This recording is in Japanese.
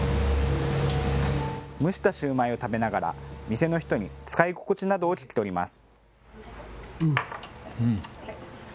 蒸したシューマイを食べながら店の人に使い心地などを聞き取ります。